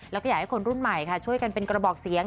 แล้วก็อยากให้คนรุ่นใหม่ค่ะช่วยกันเป็นกระบอกเสียง